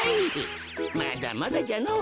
まだまだじゃのぉ。